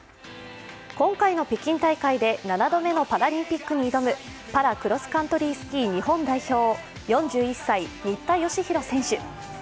今回の北京大会で７度目のパラリンピックに挑むパラクロスカントリースキー日本代表、４１歳、新田佳浩選手。